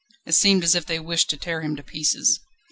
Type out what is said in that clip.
It seemed as if they wished to tear him to pieces.